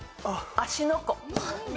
芦ノ湖。